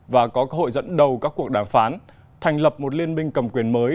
và có cơ hội dẫn đầu các cuộc đàm phán thành lập một liên minh cầm quyền mới